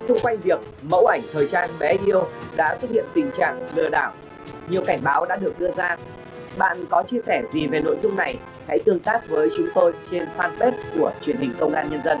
xung quanh việc mẫu ảnh thời trang bé athio đã xuất hiện tình trạng lừa đảo nhiều cảnh báo đã được đưa ra bạn có chia sẻ gì về nội dung này hãy tương tác với chúng tôi trên fanpage của truyền hình công an nhân dân